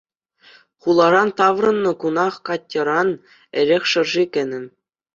Хуларан таврӑннӑ кунах Катьӑран эрех шӑрши кӗнӗ.